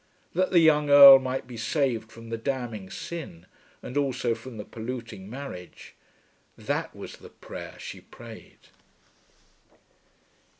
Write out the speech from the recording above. That the young Earl might be saved from the damning sin and also from the polluting marriage; that was the prayer she prayed.